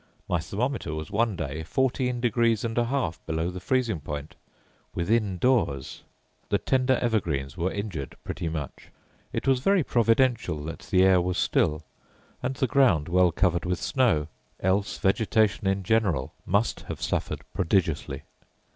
My thermometer was one day fourteen degrees and a half below the freezing point, within doors. The tender evergreens were injured pretty much. It was very providential that the air was still, and the ground well covered with snow, else vegetation in general must have suffered prodigiously.